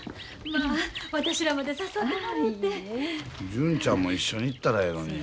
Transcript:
純ちゃんも一緒に行ったらええのに。